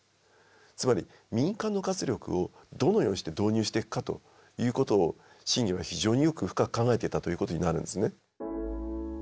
つまり民間の活力をどのようにして導入していくかということを信玄は非常によく深く考えていたということになるんですね。